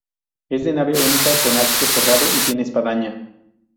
Es de nave única con atrio cerrado y tiene espadaña.